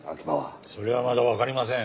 それはまだわかりません。